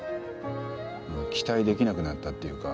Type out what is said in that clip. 期待できなくなったっていうか。